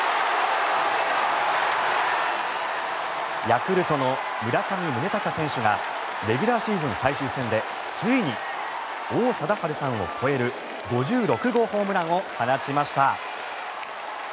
ヤクルトの村上宗隆選手がレギュラーシーズン最終戦でついに王貞治さんを超える５６号ホームランを放ちました。